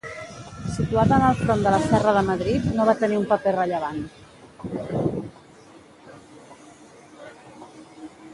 Situada en el front de la Serra de Madrid, no va tenir un paper rellevant.